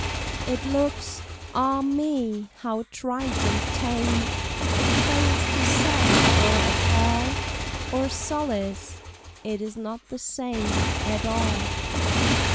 It looks, ah me! how trite and tame! It fails to sadden or appal Or solace—it is not the same At all.